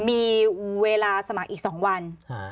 มีเวลาสมัครอีก๒วัน